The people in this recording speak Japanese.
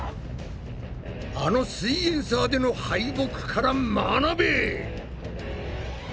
あの「すイエんサー」での敗北から学べ！